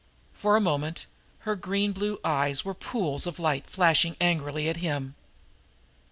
For a moment her green blue eyes were pools of light flashing angrily at him.